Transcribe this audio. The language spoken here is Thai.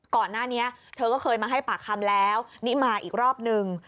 ก่อนหน้านี้เธอก็เคยมาให้ปากคำแล้วนี่มาอีกรอบนึง